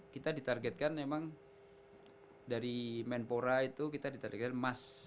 kita ditargetkan emang dari manpora itu kita ditargetkan emas